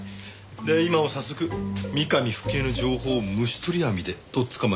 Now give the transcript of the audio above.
で今も早速三上冨貴江の情報を虫取り網で取っ捕まえてたわけですね。